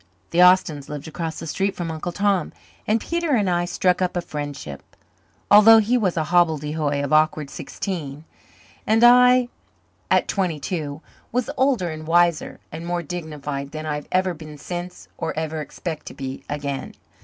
The Austins lived across the street from Uncle Tom, and Peter and I had struck up a friendship, although he was a hobbledehoy of awkward sixteen and I, at twenty two, was older and wiser and more dignified than I've ever been since or ever expect to be again.